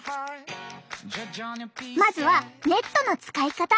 まずはネットの使い方。